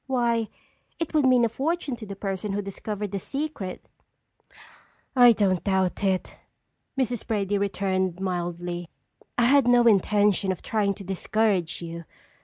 Why, it would mean a fortune to the person who discovered the secret." "I don't doubt it," Mrs. Brady returned mildly. "I had no intention of trying to discourage you.